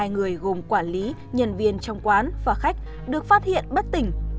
một mươi hai người gồm quản lý nhân viên trong quán và khách được phát hiện bất tỉnh